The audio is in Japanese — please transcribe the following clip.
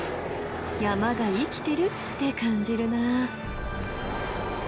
山が生きてるって感じるなあ。